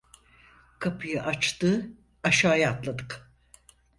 Kapıyı açtı, aşağıya atladık.